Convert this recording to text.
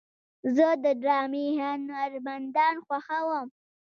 زه د ډرامې هنرمندان خوښوم.